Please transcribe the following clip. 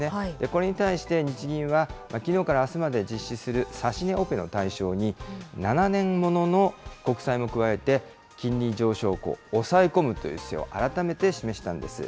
これに対して、日銀はきのうからあすまで実施する指値オペの対象に、７年ものの国債も加えて、金利上昇を抑え込むという姿勢を改めて示したんです。